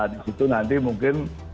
di situ nanti mungkin